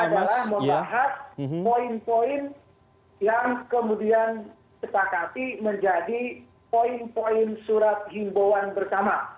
isinya adalah membahas poin poin yang kemudian disepakati menjadi poin poin surat jimbawan bersama